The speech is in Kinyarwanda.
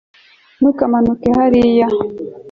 ntukamanuke hariya